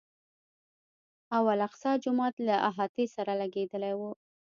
او الاقصی جومات له احاطې سره لګېدلی و.